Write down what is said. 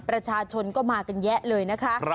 ประชาชนก็มากันแยะเลยนะคะ